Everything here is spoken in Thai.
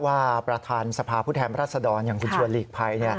ว่าประธานสภาพผู้แทนรัศดรอย่างคุณชวนหลีกภัย